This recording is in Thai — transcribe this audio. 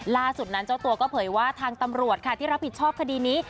ล่าสุดนั้นเจ้าตัวก็เผยว่าทางตำรวจค่ะที่รับผิดชอบคดีนี้